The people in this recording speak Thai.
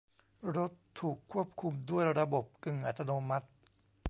รถถูกควบคุมด้วยระบบกึ่งอัตโนมัติ